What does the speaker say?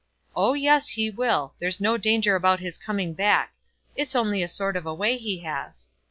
"Oh yes, he will. There's no danger about his coming back. It's only a sort of a way he has."